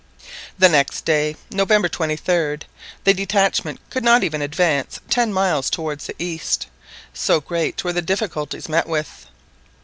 The next day, November 23d, the detachment could not even advance ten miles towards the east, so great were the difficulties met with.